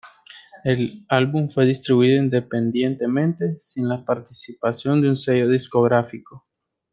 El álbum fue distribuido independientemente, sin la participación de un sello discográfico.